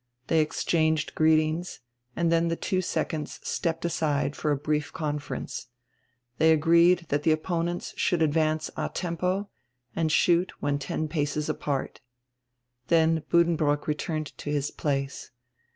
They exchanged greet ings and dien die two seconds stepped aside for a brief con ference. They agreed diat die opponents should advance a tempo and shoot when ten paces apart Then Budden brook returned to his place.